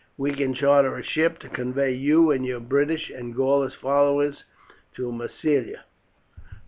We can charter a ship to convey you and your British and Gaulish followers to Massilia.